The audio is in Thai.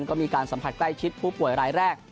ก็มีการสัมผัสใกล้ชิดผู้ป่วยรายแรก